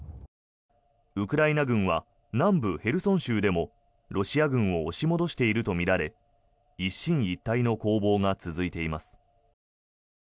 ウクライナ軍は南部ヘルソン州でもロシア軍を押し戻しているとみられ一進一退の攻防が続いています。